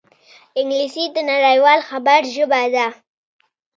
انګلیسي د نړيوال خبر ژبه ده